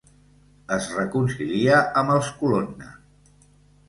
Es reconcilia amb els Colonna.